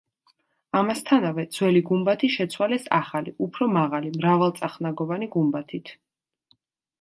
ამასთანავე, ძველი გუმბათი შეცვალეს ახალი, უფრო მაღალი, მრავალწახნაგოვანი გუმბათით.